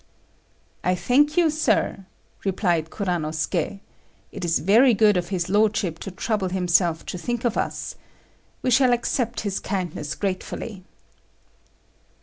"I thank you, sir," replied Kuranosuké. "It is very good of his lordship to trouble himself to think of us. We shall accept his kindness gratefully."